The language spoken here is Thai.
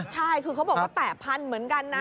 ใช่คือเขาบอกว่าแตะพันธุ์เหมือนกันนะ